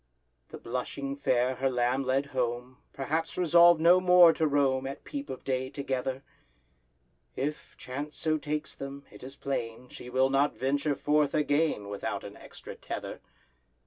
The blushing Fair her lamb led home, Perhaps resolved no more to roam At peep of day together; If chance so takes them, it is plain She will not venture forth again Without an extra tether.